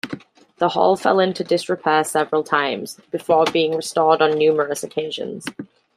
The Hall fell into disrepair several times, before being restored on numerous occasions.